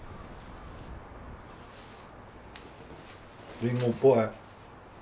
リンゴっぽい。